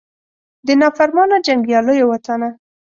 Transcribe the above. د نافرمانه جنګیالو وطنه